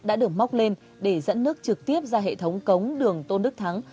đã được móc lên để dẫn nước trực tiếp ra hệ thống cống đường tôn đức thắng